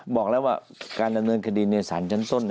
บอกแล้วว่าการดำเนินคดีในสารชั้นต้น